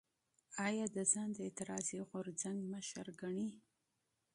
ایا ده ځان د اعتراضي غورځنګ مشر ګڼي؟